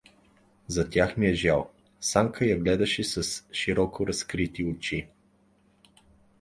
За тях ми е жал… Санка я гледаше с широко разкрити очи.